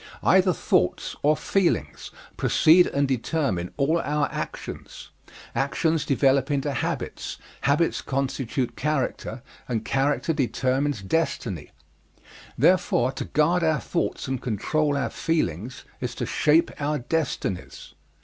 Either thoughts or feelings precede and determine all our actions. Actions develop into habits, habits constitute character, and character determines destiny. Therefore to guard our thoughts and control our feelings is to shape our destinies.